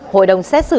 hội đồng xét xử